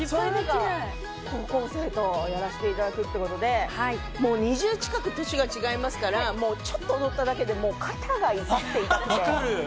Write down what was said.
高校生とやらせていただくということで、もう２０近く年が違いますから、ちょっと踊っただけで肩が痛くて痛くて。